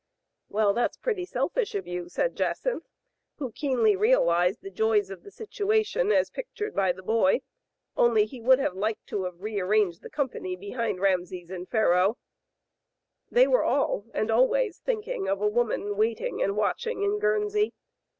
*'Well, that's pretty selfish of you," s^id Jacynth, who keenly realized the joys of the situ ation as pictured by the boy, only he would liked to have rearranged the company behind "Rame ses and Pharaoh." They were all and always thinking of a woman waiting and watching in Guernsey.